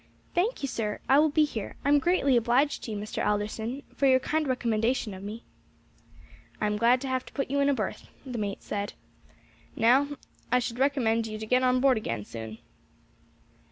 "Thank you, sir, I will be here. I am greatly obliged to you, Mr. Alderson, for your kind recommendation of me." "I am glad to have put you into a berth," the mate said. "Now I should recommend you to get on board again soon."